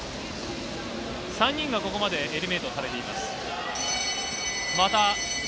３人がここまでエリミネートされています。